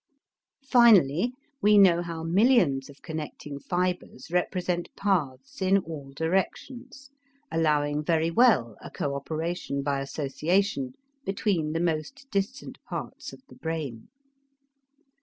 Finally we know how millions of connecting fibers represent paths in all directions, allowing very well a coöperation by association between the most distant parts of the brain.